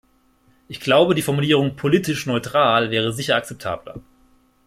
Ich glaube, die Formulierung 'politisch neutral' wäre sicher akzeptabler.